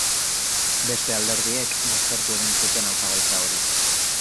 Beste alderdiek baztertu egin zuten hautagaitza hori.